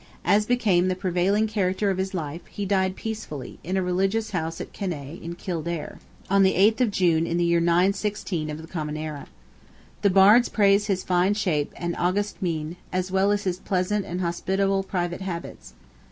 As became the prevailing character of his life, he died peacefully, in a religious house at Kyneigh, in Kildare, on the 8th of June, in the year 916, of the common era. The Bards praise his "fine shape" and "august mien," as well as his "pleasant and hospitable" private habits.